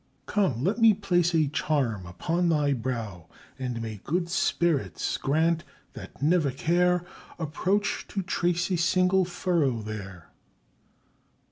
_ Come, let me place a charm upon thy brow, And may good spirits grant, that never care Approach, to trace a single furrow there!